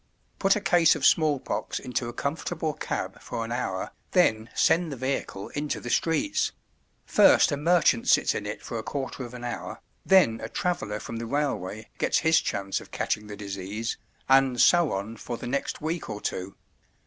Put a case of smallpox into a comfortable cab for an hour, then send the vehicle into the streets; first a merchant sits in it for a quarter of an hour, then a traveller from the railway gets his chance of catching the disease, and so on for the next week or two.